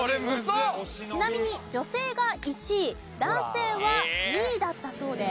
ちなみに女性が１位男性は２位だったそうです。